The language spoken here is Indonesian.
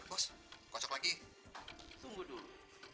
bos kocok lagi tunggu dulu